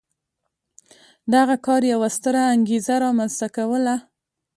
دغه کار یوه ستره انګېزه رامنځته کوله.